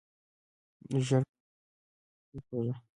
ژیړ کډو په تیږي وتوږه.